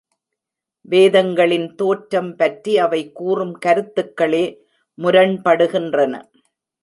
வேதங்களின் தோற்றம் பற்றி அவை கூறும் கருத்துக்களே முரண்படுகின்றன.